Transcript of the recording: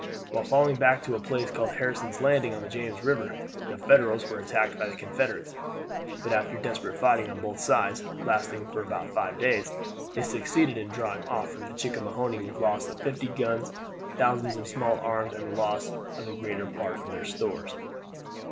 While falling back to a place called Harrison's Landing on the James River, the Federals were attacked by the Confederates, but after desperate fighting on both sides, lasting for five days, they succeeded in drawing off from the Chickahominy with a loss of fifty guns, thousands of small arms, and the loss of the greater part of their stores.